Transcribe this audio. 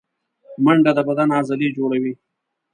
منډه د بدن عضلې جوړوي